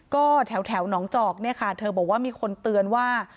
ก็แถวหนองจอกเนี่ยค่ะเธอบอกว่ามีคนเตือนว่า